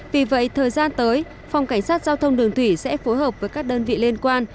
vì vậy thời gian tới phòng cảnh sát giao thông đường thủy sẽ phối hợp với các đơn vị liên quan